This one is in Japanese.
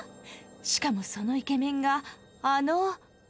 しかもそのイケメンがあの。